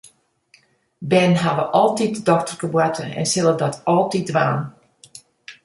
Bern hawwe altyd dokterkeboarte en sille dat altyd dwaan.